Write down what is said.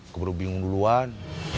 keburu bingung duluan